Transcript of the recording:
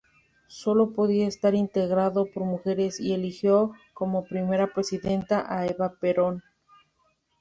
Solo podía estar integrado por mujeres y eligió como primera presidenta a Eva Perón.